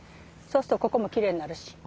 そうするとここもきれいになるし。